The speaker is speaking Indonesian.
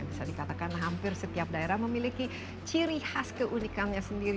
bisa dikatakan hampir setiap daerah memiliki ciri khas keunikannya sendiri